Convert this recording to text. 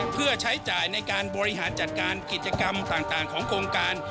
เพื่อใช้จ่ายในการบริหารจัดการกิจกรรมต่างของโครงการ